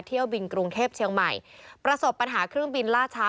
เที่ยวบินกรุงเทพเชียงใหม่ประสบปัญหาเครื่องบินล่าช้า